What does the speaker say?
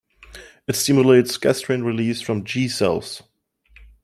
It stimulates gastrin release from G cells.